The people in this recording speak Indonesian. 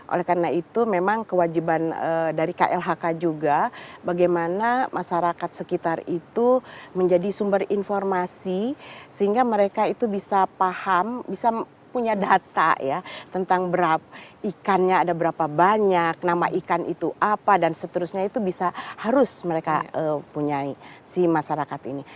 oleh karena itu memang kewajiban dari klhk juga bagaimana masyarakat sekitar itu menjadi sumber informasi sehingga mereka itu bisa paham bisa punya data ya tentang ikannya ada berapa banyak nama ikan itu apa dan seterusnya itu bisa harus mereka punya si masyarakat ini